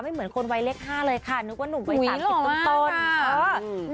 ไม่เหมือนคนวัยเล็ก๕เลยค่ะนึกว่าหนุ่มวัยต่างสิทธิ์ต้น